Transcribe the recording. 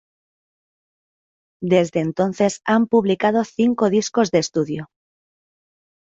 Desde entonces han publicado cinco discos de estudio.